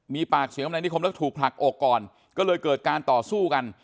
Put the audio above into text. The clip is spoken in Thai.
มีปากเสียงกับนายนิคมแล้วถูกผลักอกก่อนก็เลยเกิดการต่อสู้กัน